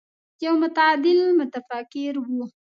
يو متعادل متفکر و.